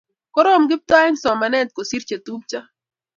korom Kiptoo eng somanet kosir chetupcho